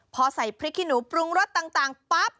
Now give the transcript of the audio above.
พอใส่พริกขี้หนูปรุงรสต่างปั๊บ